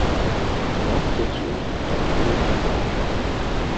Шмат дзяцей, танцуюць пары.